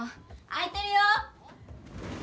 開いてるよ。